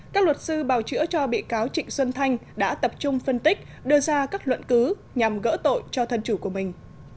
các luật sư bào chữa cho bị cáo trịnh xuân thanh đã tập trung phân tích đưa ra các luận cứ nhằm gỡ tội cho thân chủ của mình